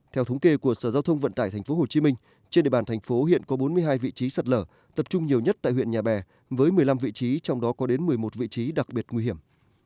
theo thống kê của sở giao thông vận tải tp hcm trên địa bàn thành phố hiện có bốn mươi hai vị trí sạt lở tập trung nhiều nhất tại huyện nhà bè với một mươi năm vị trí trong đó có đến một mươi một vị trí đặc biệt nguy hiểm